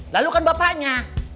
nah lu kan bapaknya